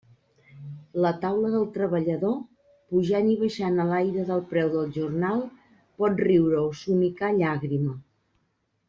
La taula del treballador, pujant i baixant a l'aire del preu del jornal, pot riure o somicar llàgrima.